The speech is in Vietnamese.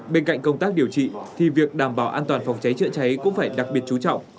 bên cạnh công tác điều trị thì việc đảm bảo an toàn phòng cháy chữa cháy cũng phải đặc biệt chú trọng